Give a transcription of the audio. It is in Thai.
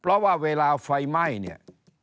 เพราะว่าเวลาไฟไหม้เนี่ย